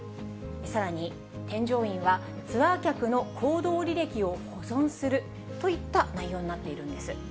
さらに、添乗員はツアー客の行動履歴を保存するといった内容になっているんです。